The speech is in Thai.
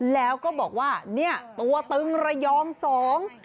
แล้วก็บอกว่าเนี่ยตัวตึงระยองสอง